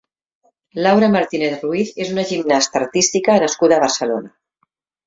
Laura Martínez Ruiz és una gimnasta artística nascuda a Barcelona.